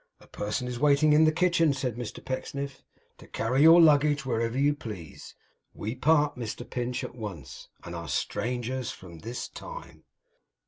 'A person is waiting in the kitchen,' said Mr Pecksniff, 'to carry your luggage wherever you please. We part, Mr Pinch, at once, and are strangers from this time.